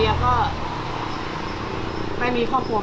อื้ม